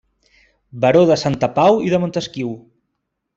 Baró de Santa Pau i de Montesquiu.